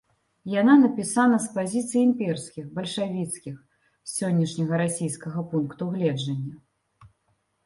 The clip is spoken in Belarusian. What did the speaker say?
Яна напісана з пазіцый імперскіх, бальшавіцкіх, з сённяшняга расійскага пункту гледжання.